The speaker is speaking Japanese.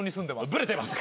ブレてます。